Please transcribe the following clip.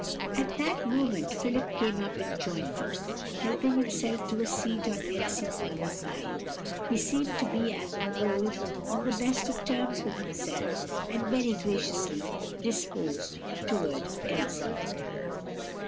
At that moment Philip came up and joined them, helping himself to a seat on Elsie's other side. He seemed to be, as of old, on the best of terms with himself and very graciously disposed toward Elsie.